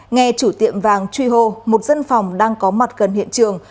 nghe chủ tiệm vàng truy hô một dân phòng đang có mặt gần hiện trường